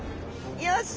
よし！